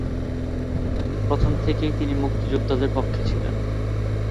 প্রথম থেকেই তিনি মুক্তিযোদ্ধাদের পক্ষে ছিলেন।